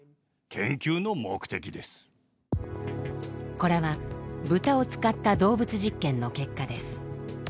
これは豚を使った動物実験の結果です。